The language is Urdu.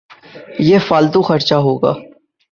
یہ فالتو خرچہ ہو گیا۔